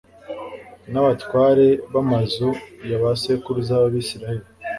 nabatware bamazu ya ba sekuruza bAbisirayeli